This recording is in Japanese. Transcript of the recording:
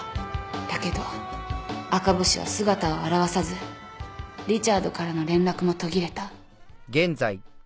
だけど赤星は姿を現さずリチャードからの連絡も途切れた。